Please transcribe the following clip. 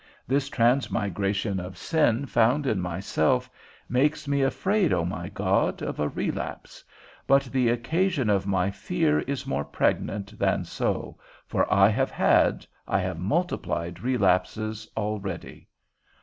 This transmigration of sin found in myself, makes me afraid, O my God, of a relapse; but the occasion of my fear is more pregnant than so, for I have had, I have multiplied relapses already.